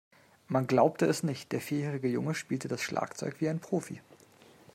Man glaubte es nicht, der vierjährige Junge spielte das Schlagzeug wie ein Profi.